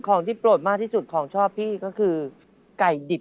ของที่โปรดมากที่สุดของชอบพี่ก็คือไก่ดิบ